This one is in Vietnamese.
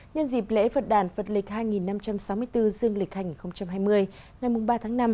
nhân dịp lễ phật đàn phật lịch hai năm trăm sáu mươi bốn dương lịch hành hai mươi ngày ba tháng năm